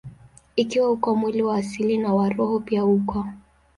Ikiwa uko mwili wa asili, na wa roho pia uko.